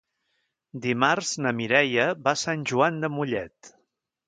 Dimarts na Mireia va a Sant Joan de Mollet.